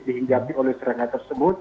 dihinggapi oleh serangga tersebut